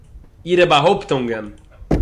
אירע באַהויפּטונגען